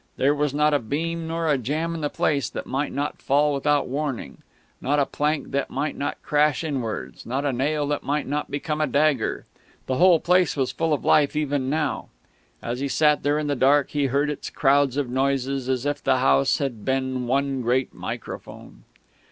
There was not a beam nor a jamb in the place that might not fall without warning, not a plank that might not crash inwards, not a nail that might not become a dagger. The whole place was full of life even now; as he sat there in the dark he heard its crowds of noises as if the house had been one great microphone....